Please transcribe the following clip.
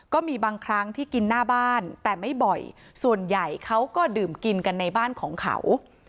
ก็มีบางครั้งที่กินหน้าบ้านแต่ไม่บ่อยส่วนใหญ่เขาก็ดื่มกินกันในบ้านของเขา